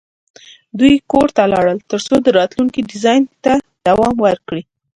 دوی کور ته لاړل ترڅو د راتلونکي ډیزاین ته دوام ورکړي